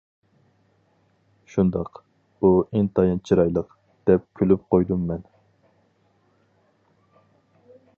-شۇنداق، ئۇ ئىنتايىن چىرايلىق-دەپ كۈلۈپ قويدۇم مەن.